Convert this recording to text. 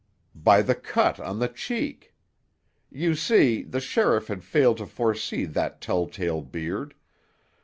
"By the cut on the cheek. You see, the sheriff had failed to foresee that telltale beard.